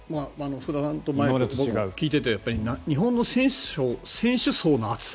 福田さんの話を今まで聞いていて日本の選手層の厚さ。